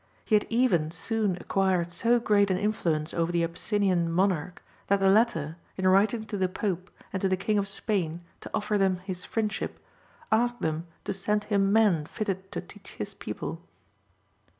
He had even soon acquired so great an influence over the Abyssinian monarch, that the latter, in writing to the Pope and to the King of Spain to offer them his friendship, asked them to send him men fitted to teach his people.